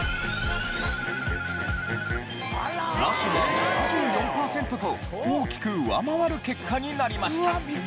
ナシが７４パーセントと大きく上回る結果になりました。